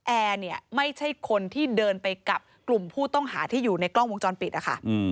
แอร์เนี่ยไม่ใช่คนที่เดินไปกับกลุ่มผู้ต้องหาที่อยู่ในกล้องวงจรปิดนะคะ